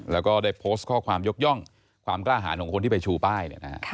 แล้วก็ได้โพสต์ข้อความยกย่องความกล้าหารของคนที่ไปชูป้าย